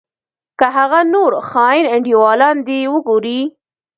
که هغه نور خاين انډيوالان دې وګورې.